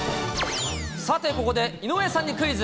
さて、ここで井上さんにクイズ。